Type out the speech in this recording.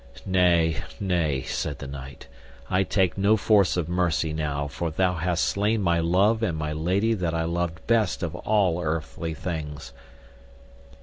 Nay, nay, said the knight, I take no force of mercy now, for thou hast slain my love and my lady that I loved best of all earthly things.